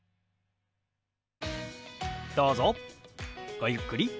ごゆっくり。